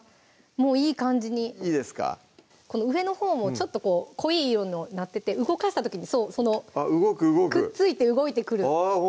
もういい感じにいいですかこの上のほうもちょっとこう濃い色になってて動かした時にそのあっ動く動くくっついて動いてくるあっ